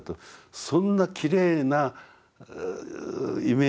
そんなきれいなイメージをですね